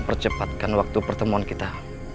percepatkan waktu pertemuan kita